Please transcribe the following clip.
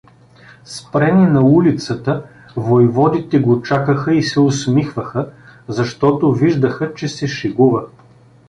Спрени на улицата, войводите го чакаха и се усмихваха, защото виждаха, че се шегува.